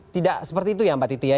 tidak seperti itu ya mbak titi ya